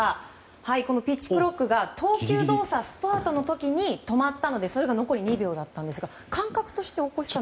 このピッチクロックが投球動作スタートの時に止まったので、それが残り２秒だったんですが感覚として大越さん。